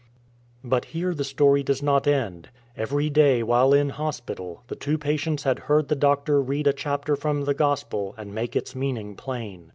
But here the story does not end. Every day while in hospital the two patients had heard the doctor read a chapter from the Gospel and make its meaning plain.